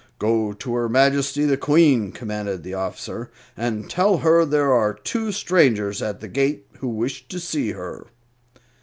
"Go to her Majesty the Queen," commanded the officer, "and tell her there are two strangers at the gate who wish to see her."